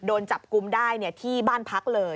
โดนจับกุมได้ที่บ้านพักเลย